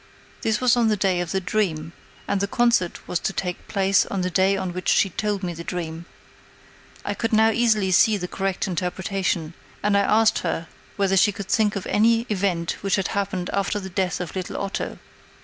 This was on the day of the dream; and the concert was to take place on the day on which she told me the dream. I could now easily see the correct interpretation, and I asked her whether she could think of any event which had happened after the death of little Otto.